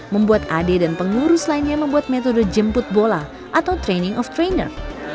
membuat ade dan pengurus lainnya membuat metode jemput bola atau training of trainer